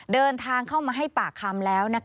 เดินทางเข้ามาให้ปากคำแล้ว